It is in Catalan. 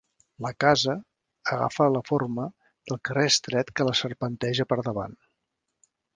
La casa agafa la forma del carrer estret que la serpenteja per davant.